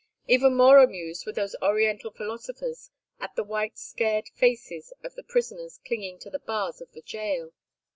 Even more amused were those Oriental philosophers at the white scared faces of the prisoners clinging to the bars of the jail.